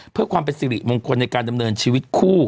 เพื่อความเป็นสิริมงคลในการดำเนินชีวิตคู่